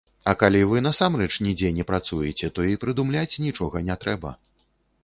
А калі вы насамрэч нідзе не працуеце, то і прыдумляць нічога не трэба.